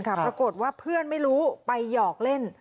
ปรากฏว่าเพื่อนไม่รู้ไปหยอกเล่น